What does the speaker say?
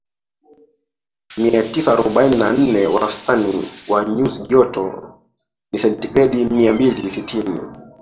mia tisa arobaini na nne Wastani wa nyuzi joto ni sentigredi mia mbili sitini